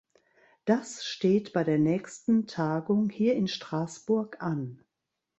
Das steht bei der nächsten Tagung hier in Straßburg an.